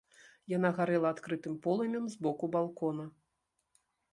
Яна гарэла адкрытым полымем з боку балкона.